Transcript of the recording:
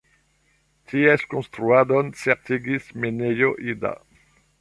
Ties konstruadon certigis Minejo Ida.